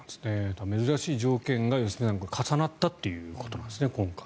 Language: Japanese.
珍しい条件が今回良純さん重なったということですね。